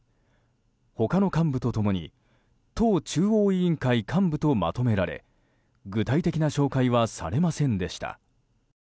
他の幹部と共に党中央委員会幹部とまとめられ具体的な紹介はされませんでした。